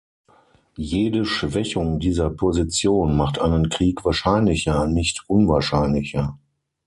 Jede Schwächung dieser Position macht einen Krieg wahrscheinlicher, nicht unwahrscheinlicher.